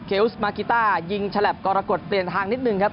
สมากิต้ายิงฉลับกรกฎเปลี่ยนทางนิดนึงครับ